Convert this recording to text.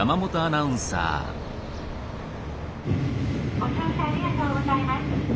「ご乗車ありがとうございます。